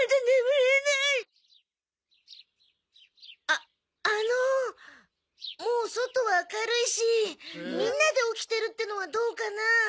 ああのもう外は明るいしみんなで起きてるってのはどうかな？